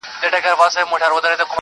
o چي پکي روح نُور سي، چي پکي وژاړي ډېر.